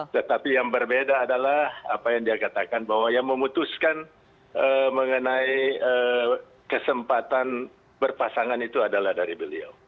tetapi yang berbeda adalah apa yang dia katakan bahwa yang memutuskan mengenai kesempatan berpasangan itu adalah dari beliau